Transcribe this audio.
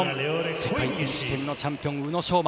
世界選手権のチャンピオン宇野昌磨